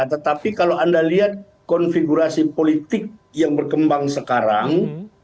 tetapi kalau anda lihat konfigurasi politik yang berkembang sekarang